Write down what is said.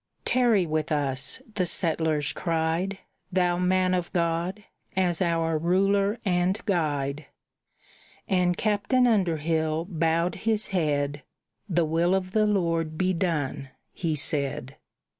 "Tarry with us," the settlers cried, "Thou man of God, as our ruler and guide." And Captain Underhill bowed his head, "The will of the Lord be done!" he said.